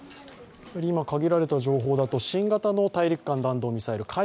限られた情報だと新型の大陸間弾道ミサイル。